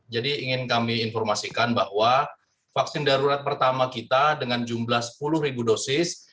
ingin kami informasikan bahwa vaksin darurat pertama kita dengan jumlah sepuluh dosis